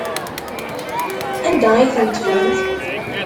Anda ay tent-teffremt?